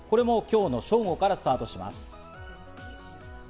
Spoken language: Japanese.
これも今日正午からスタートします。